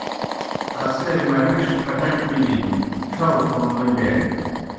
آ سے مہِݜ پھٹَک بِلِن، ڇھؤ تھون نہ بِیانیْ۔